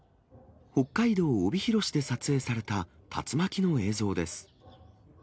北海道帯広市で撮影された竜巻の映像です。